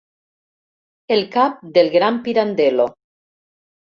El cap del gran Pirandello.